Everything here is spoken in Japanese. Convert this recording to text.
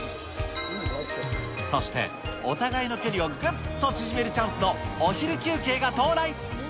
そしてお互いの距離をぐっと縮めるチャンスのお昼休憩が到来。